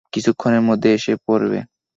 কিছুক্ষনের মধ্যে এসে পরবে।